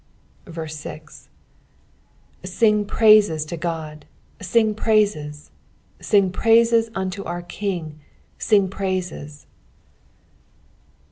6 Sing praises to God, sing praises : sing praises unto our King, sing praises.